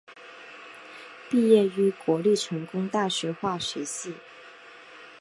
毕业于国立成功大学化学系。